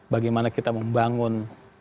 bagaimana kita membangun